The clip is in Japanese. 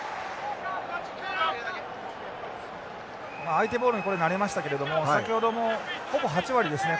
相手ボールにこれなりましたけれども先ほどもほぼ８割ですね